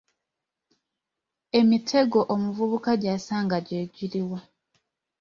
Emitego omuvubuka gy’asanga gye giluwa?